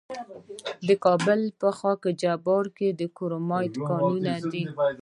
د کابل په خاک جبار کې د کرومایټ کانونه دي.